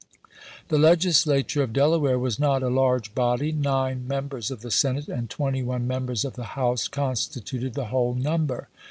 The Legislature of Delaware was not a large body ; nine members of the Senate and twenty one members of the House constituted the whole number.